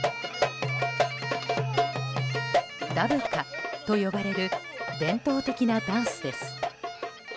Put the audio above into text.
ダブカと呼ばれる伝統的なダンスです。